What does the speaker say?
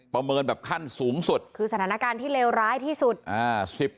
เมินแบบขั้นสูงสุดคือสถานการณ์ที่เลวร้ายที่สุดอ่า